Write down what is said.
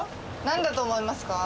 なんだと思いますか？